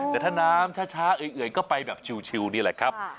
แต่ถ้าน้ำช้าเอ่ยก็ไปแบบชิวนี่แหละครับ